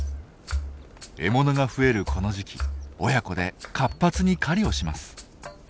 獲物が増えるこの時期親子で活発に狩りをします。